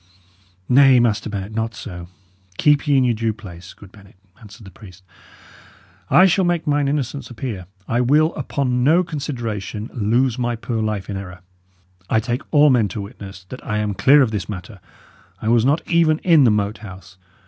"Nay, Master Bennet, not so. Keep ye in your due place, good Bennet," answered the priest. "I shall make mine innocence appear. I will, upon no consideration, lose my poor life in error. I take all men to witness that I am clear of this matter. I was not even in the Moat House.